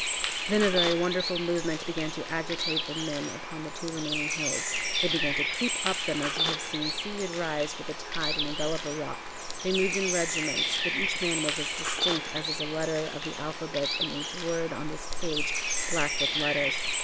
Then a very wonderful movement began to agitate the men upon the two remaining hills. They began to creep up them as you have seen seaweed rise with the tide and envelop a rock. They moved in regiments, but each man was as distinct as is a letter of the alphabet in each word on this page, black with letters.